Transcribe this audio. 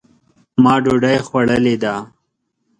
ما ډوډۍ خوړلې ده.